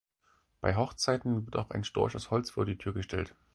Bei Hochzeiten wird auch ein Storch aus Holz vor die Tür gestellt.